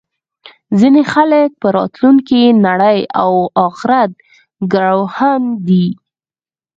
ځینې خلک په راتلونکې نړۍ او اخرت ګروهن دي